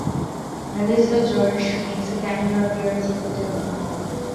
Melissa George makes a cameo appearance as the dead woman.